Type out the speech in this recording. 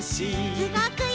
うごくよ！